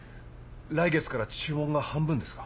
来月から注文が半分ですか？